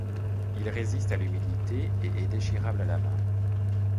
Il résiste à l'humidité et est déchirable à la main.